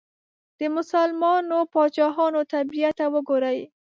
د مسلمانو پاچاهانو طبیعت ته وګورئ.